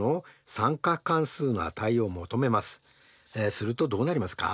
するとどうなりますか？